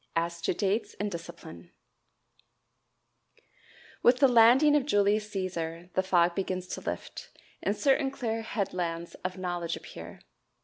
As to Dates and Discipline. With the landing of Julius Cæsar the fog begins to lift, and certain clear headlands of knowledge appear.